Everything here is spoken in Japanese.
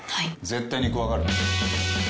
絶対に怖がるな。